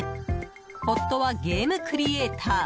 夫はゲームクリエイター。